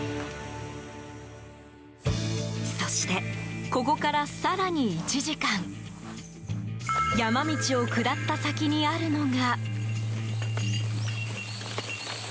そして、ここから更に１時間山道を下った先にあるのが。